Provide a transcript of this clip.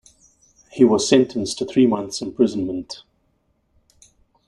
He was sentenced to three months' imprisonment.